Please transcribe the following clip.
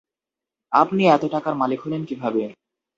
আপনি এত টাকার মালিক হলেন কিভাবে?